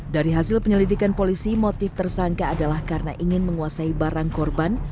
dari hasil penyelidikan polisi motif tersangka adalah karena ingin menguasai barang korban